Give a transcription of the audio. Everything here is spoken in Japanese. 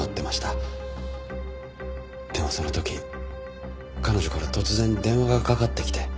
でもその時彼女から突然電話がかかってきて。